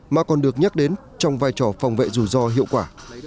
mà còn được nhắc đến trong vai trò phòng vệ rủi ro hiệu quả